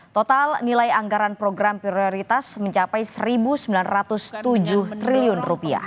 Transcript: total nilai anggaran program prioritas mencapai rp satu sembilan ratus tujuh triliun